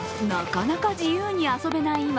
なかなか自由に遊べない